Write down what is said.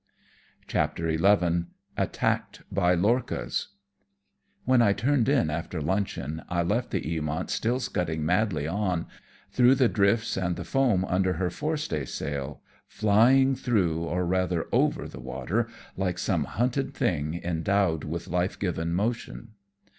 CHAPTER XL ATTACKEU BY LORCHAS. When I turned in after luncheon, I left the Eamont still scudding madly on, through the drifts and the foam under her forestaysail, flying through, or rather over the \y^ater, like some hunted thing endowed with life given motion.